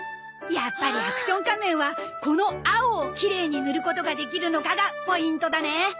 やっぱりアクション仮面はこの青をきれいに塗ることができるのかがポイントだね。